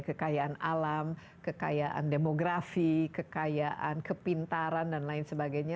kekayaan alam kekayaan demografi kekayaan kepintaran dan lain sebagainya